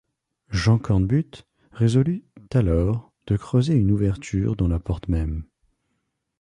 Jean Cornbutte résolut alors de creuser une ouverture dans la porte même.